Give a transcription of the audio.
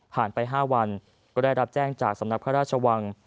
ไป๕วันก็ได้รับแจ้งจากสำนักพระราชวัง